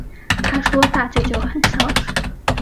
她说大舅舅很孝顺